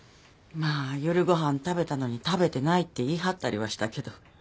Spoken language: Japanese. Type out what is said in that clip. まあ夜ご飯食べたのに食べてないって言い張ったりはしたけど。